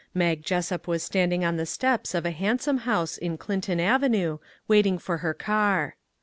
Mag Jessup was standing on the steps of a handsome house in Clinton avenue waiting for her car.